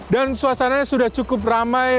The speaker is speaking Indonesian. dan suasananya sudah cukup ramai